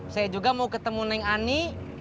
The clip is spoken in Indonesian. saya juga mau ketemu neng ani